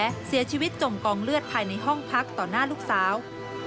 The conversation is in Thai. และเสียชีวิตจมกองเลือดภายในห้องพักต่อหน้าลูกสาว